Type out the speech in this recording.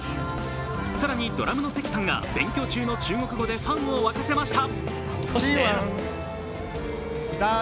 更に、ドラムの勢喜さんが勉強中の中国語でファンを沸かせました。